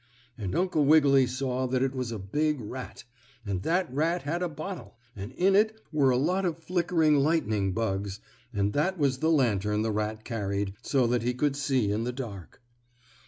And Uncle Wiggily saw that it was a big rat, and that rat had a bottle, and in it were a lot of flickering lightning bugs, and that was the lantern the rat carried, so that he could see in the dark.